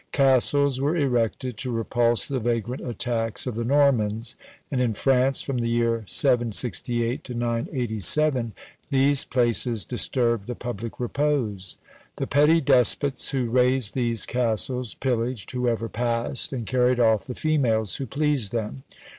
Castles were erected to repulse the vagrant attacks of the Normans; and in France, from the year 768 to 987, these places disturbed the public repose. The petty despots who raised these castles pillaged whoever passed, and carried off the females who pleased them.